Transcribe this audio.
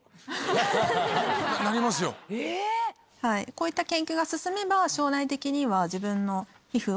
こういった研究が進めば将来的には。